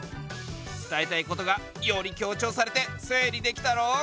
伝えたいことがより強調されて整理できたろ？